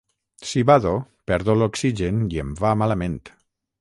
Si bado perdo l'oxigen i em va malament.